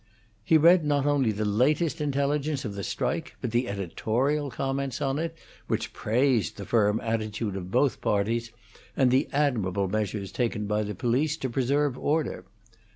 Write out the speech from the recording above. He read not only the latest intelligence of the strike, but the editorial comments on it, which praised the firm attitude of both parties, and the admirable measures taken by the police to preserve order.